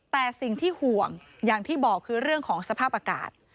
แต่สิ่งที่ห่วงอย่างที่บอกคือเรื่องของสภาพอากาศ